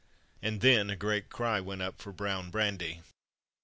And then a great cry went up for brown brandy.